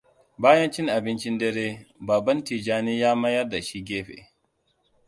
Bayan cin abincin dare, baban Tijjani ya mayar da shi gefe.